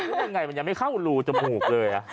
แล้วเป็นอย่างไรมันยังไม่เข้ารูจมูกเลย